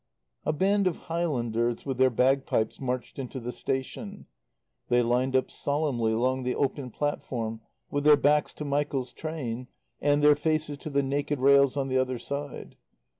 A band of Highlanders with their bagpipes marched into the station. They lined up solemnly along the open platform with their backs to Michael's train and their faces to the naked rails on the other side.